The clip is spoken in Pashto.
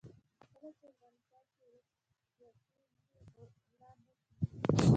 کله چې افغانستان کې ولسواکي وي غلا نه کیږي.